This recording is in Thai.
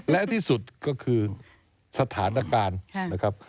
และที่สุดก็คือสถานการณ์นะครับ